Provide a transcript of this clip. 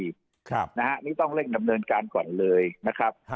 อันนี้ต้องเร่งดำเนินการก่อนเลยนะครับ